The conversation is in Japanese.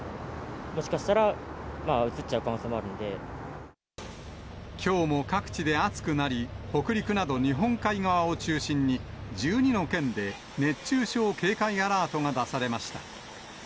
もしかしたら、きょうも各地で暑くなり、北陸など日本海側を中心に、１２の県で熱中症警戒アラートが出されました。